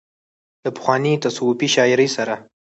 له پخوانۍ تصوفي شاعرۍ سره